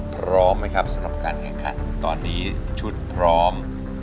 พร้อมไหมครับสำหรับการแข่งขันตอนนี้ชุดพร้อม